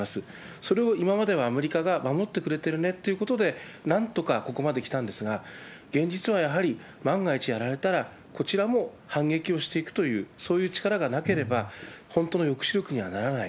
それを今まではアメリカが守ってくれてるねってことで、なんとかここまできたんですが、現実はやはり、万が一やられたら、こちらも反撃をしていくという、そういう力がなければ、本当の抑止力にはならない。